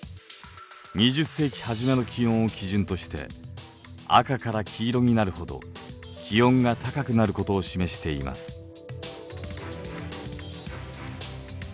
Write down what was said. ２０世紀初めの気温を基準として赤から黄色になるほど気温が高くなることを示しています。